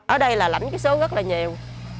ở đây là lãnh cái số rất là nhiều